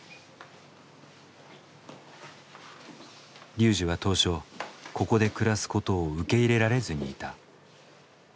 ＲＹＵＪＩは当初ここで暮らすことを受け入れられずにいた。